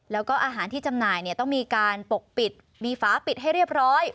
แล้วก็อาหารที่จำหน่ายต้องมีการปกปิดมีฝาปิดให้เรียบร้อย